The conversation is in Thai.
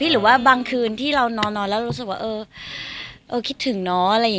หรือว่าบางวันนอนแล้วรู้สึกว่า